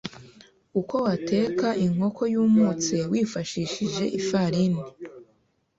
Uko wateka inkoko yumutse wifashishije ifarini